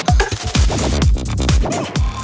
โอ้โหโชคดี